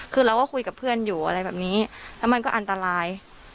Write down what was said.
คือเราก็คุยกับเพื่อนอยู่อะไรแบบนี้แล้วมันก็อันตราย